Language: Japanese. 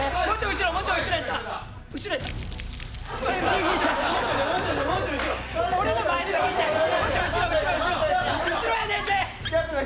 後ろやねんって！